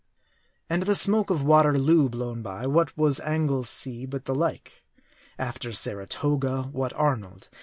And the smoke of Waterloo blown by, what was Anglesea but the like ? After Sara toga, what Arnold